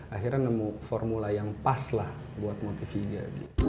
akhirnya nemu formula yang pas lah buat motiviga